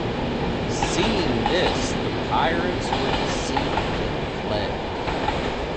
Seeing this, the pirates were deceived and fled.